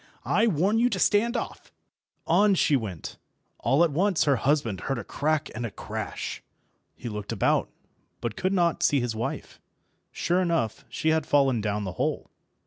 "I warn you to stand off." On she went; all at once her husband heard a crack and a crash. He looked about, but could not see his wife. Sure enough, she had fallen down the hole.